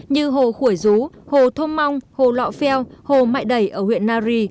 như hồ khuổi dú hồ thôm mong hồ lọ pheo hồ mại đẩy ở huyện nari